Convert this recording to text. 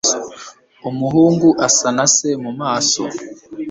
umuhungu asa na se mu maso